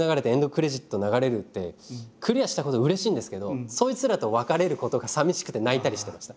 クレジット流れるってクリアしたことはうれしいんですけどそいつらと別れることがさみしくて泣いたりしてました。